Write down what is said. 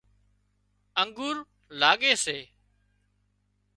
انگورلاڳي سي